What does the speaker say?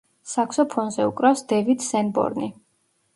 საქსოფონზე უკრავს დევიდ სენბორნი.